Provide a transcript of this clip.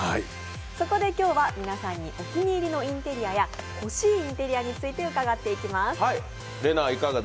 そこで今日は皆さんにお気に入りのインテリアや欲しいインテリアについて伺っていきます。